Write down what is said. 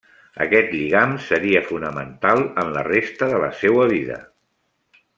Aquest lligam seria fonamental en la resta de la seua vida.